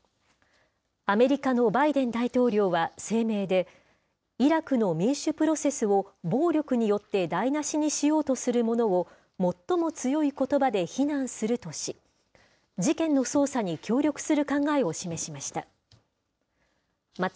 アメリカのバイデン大統領は声明で、イラクの民主プロセスを暴力によって台なしにしようとする者を最も強いことばで非難するとし、事件の捜査に協力する考えを示しました。